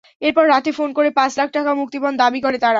এরপর রাতে ফোন করে পাঁচ লাখ টাকা মুক্তিপণ দাবি করে তারা।